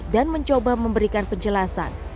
dan mencoba memberikan penjelasan